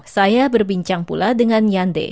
saya berbincang pula dengan nyande